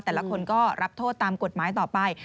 แต่ละคนก็รับโทษตามกฎหมายต่อไป